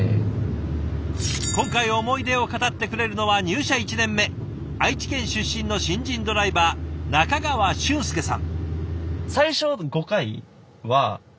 今回思い出を語ってくれるのは入社１年目愛知県出身の新人ドライバー中川峻輔さん。